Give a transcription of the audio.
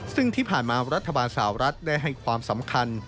ซึ่งที่ผ่านมารัฐบาลสาวรัฐได้ให้ความสำคัญ